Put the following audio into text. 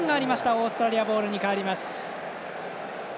オーストラリアボールに変わります。